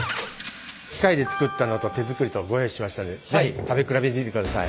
機械で作ったのと手作りとご用意しましたので是非食べ比べてみてください。